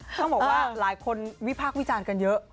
ต้องบอกว่าหลายคนวิพากษ์วิจารณ์กันเยอะ